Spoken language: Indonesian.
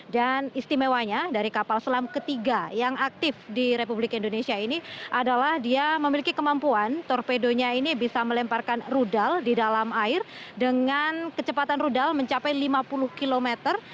istimewanya dari kapal selam ketiga yang aktif di republik indonesia ini adalah dia memiliki kemampuan torpedonya ini bisa melemparkan rudal di dalam air dengan kecepatan rudal mencapai lima puluh kilometer